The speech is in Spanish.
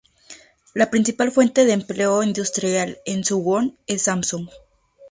La principal fuente de empleo industrial en Suwon es Samsung.